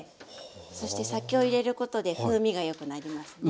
そして酒を入れることで風味がよくなりますね。